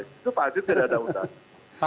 itu pasti tidak ada undang